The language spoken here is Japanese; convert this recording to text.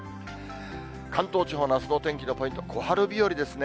関東地方のあすのお天気のポイント、小春日和ですね。